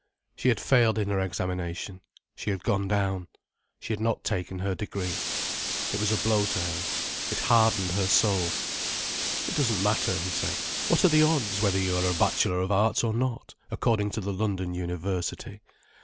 She had failed in her examination: she had gone down: she had not taken her degree. It was a blow to her. It hardened her soul. "It doesn't matter," he said. "What are the odds, whether you are a Bachelor of Arts or not, according to the London University?